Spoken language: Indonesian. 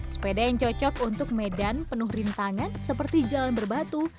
sepeda yang cocok untuk medan penuh rintangan seperti jalan berbatu